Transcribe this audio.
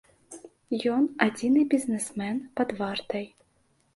Ён адзіны бізнесмен пад вартай.